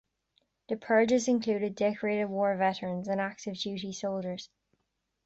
The purges included decorated war veterans and active duty soldiers.